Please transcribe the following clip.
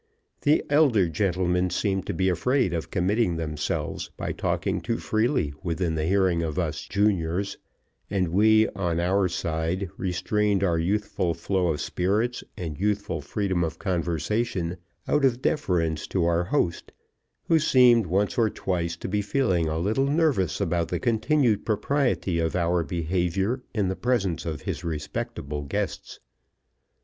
The elder gentlemen seemed to be afraid of committing themselves by talking too freely within hearing of us juniors, and we, on our side, restrained our youthful flow of spirits and youthful freedom of conversation out of deference to our host, who seemed once or twice to be feeling a little nervous about the continued propriety of our behavior in the presence of his respectable guests.